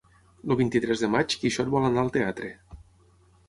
El vint-i-tres de maig en Quixot vol anar al teatre.